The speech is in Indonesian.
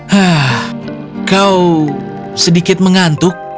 hah kau sedikit mengantuk